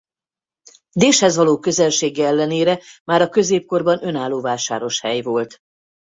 Déshez való közelsége ellenére már a középkorban önálló vásáros hely volt.